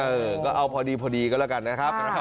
เออก็เอาพอดีก็แล้วกันนะครับ